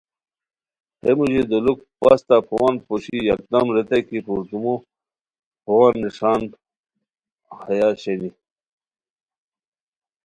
ہے موژی دولوک پستہ پووان پوشی یکدم ریتائے کی پردومو پووان نݰان ہیا شینی